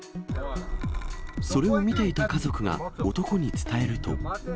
それを見ていた家族が男に伝えると。